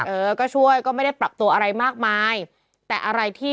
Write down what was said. เออก็ช่วยก็ไม่ได้ปรับตัวอะไรมากมาย